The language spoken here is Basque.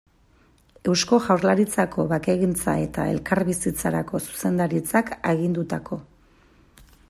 Eusko Jaurlaritzako Bakegintza eta Elkarbizitzarako Zuzendaritzak agindutako.